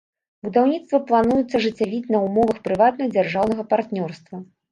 Будаўніцтва плануецца ажыццявіць на ўмовах прыватна-дзяржаўнага партнёрства.